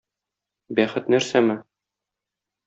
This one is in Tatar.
Бәхет нәрсәме?